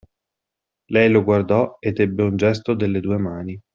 Lei lo guardò ed ebbe un gesto delle due mani.